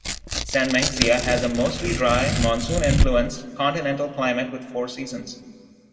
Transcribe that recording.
Sanmenxia has a mostly dry, monsoon-influenced continental climate with four seasons.